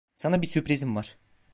Sana bir sürprizim var.